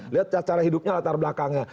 lihat cara hidupnya latar belakangnya